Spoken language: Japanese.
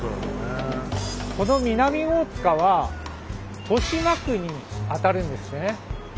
この南大塚は豊島区にあたるんですね。